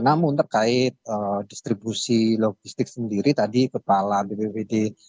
namun terkait distribusi logistik sendiri tadi kepala bppt kabupaten gresik